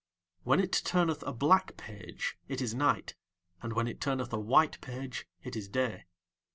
When It turneth a black page it is night, and when It turneth a white page it is day.